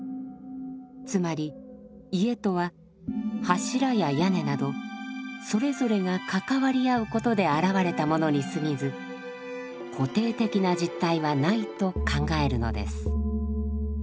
つまり家とは柱や屋根などそれぞれが関わり合うことで現れたものにすぎず固定的な実体はないと考えるのです。